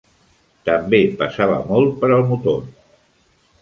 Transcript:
També pesava molt per al motor.